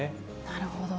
なるほど。